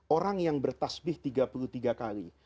orang yang bertasbih tiga puluh tiga kali